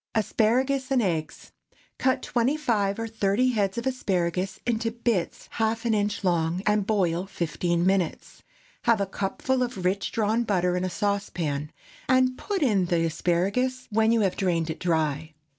ASPARAGUS AND EGGS. Cut twenty five or thirty heads of asparagus into bits half an inch long, and boil fifteen minutes. Have a cupful of rich drawn butter in a saucepan, and put in the asparagus when you have drained it dry.